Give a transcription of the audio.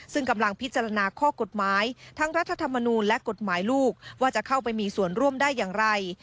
ซึ่งกำลังพิจารณาข้อกฎหมายทั้งรัฐธรรมนูลและกฎหมายลูกว่าจะเข้าไปมีส่วนร่วมได้อย่างไร